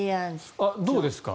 どうですか？